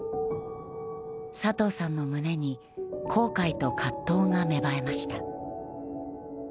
佐藤さんの胸に後悔と葛藤が芽生えました。